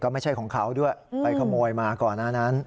ไม่ใช่ของเขาด้วยไปขโมยมาก่อนหน้านั้น